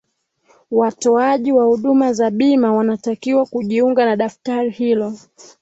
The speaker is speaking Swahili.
watoaji wa huduma za bima wanatakiwa kujiunga na daftari hilo